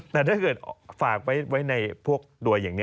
แต่ถ้าเกิดฝากไว้ในพวกโดยอย่างนี้